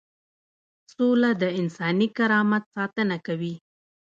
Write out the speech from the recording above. سوله د انساني کرامت ساتنه کوي.